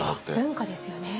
文化ですよね。